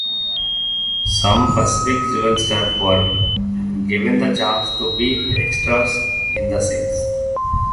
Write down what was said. Some Pacific Jewel staff were given the chance to be extras in the scenes.